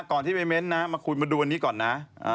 ก่อนที่ไปเม้นนะมาดูอันนี้ก่อนนะ